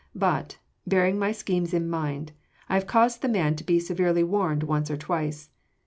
But bearing my schemes in mind I have caused the man to be severely warned once or twice.